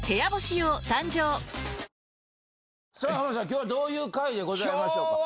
今日はどういう回でございましょうか？